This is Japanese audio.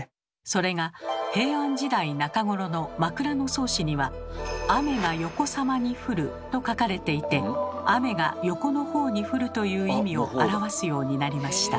それが平安時代中頃の「枕草子」には「雨がよこさまに降る」と書かれていて「雨が横のほうに降る」という意味を表すようになりました。